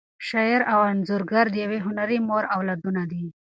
شاعر او انځورګر د یوې هنري مور اولادونه دي.